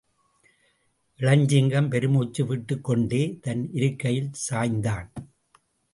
இளஞ்சிங்கம் பெருமூச்சு விட்டுக்கொண்டே, தன் இருக்கையில் சாய்ந்தான்.